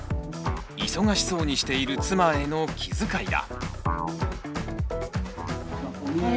忙しそうにしている妻への気遣いだ。